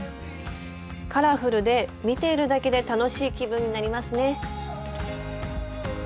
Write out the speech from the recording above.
カラフルで見ているだけで楽しい気分になりますね。